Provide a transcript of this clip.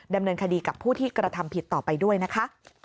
ดำเนินคดีกับผู้ที่กระทำผิดต่อไปด้วยนะคะ